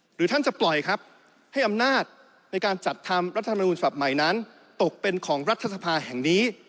หรือท่านจะปล่อยครับให้อำนาจในการจัดทำรัฐธรรมนูญฉบับใหม่นั้นตกเป็นของรัฐสภาแห่งนี้